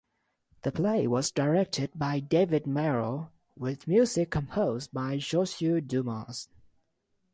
The play was directed by David Maral with music composed by Joshua Dumas.